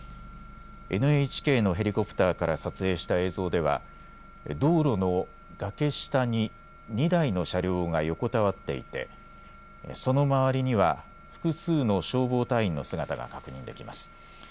ＮＨＫのヘリコプターから撮影した映像では道路の崖下に２台の車両が横たわっていてその周りには複数の消防隊員の姿が確認できます。